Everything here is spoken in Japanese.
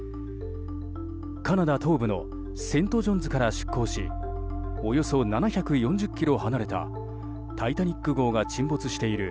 カナダ東部のセント・ジョンズから出航しおよそ７４０ｋｍ離れた「タイタニック号」が沈没している